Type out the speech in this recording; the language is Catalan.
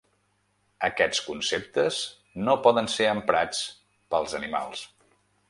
Aquests conceptes no poden ser emprats pels animals.